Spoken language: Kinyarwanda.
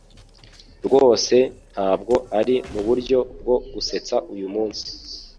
rwose ntabwo ari muburyo bwo gusetsa uyumunsi.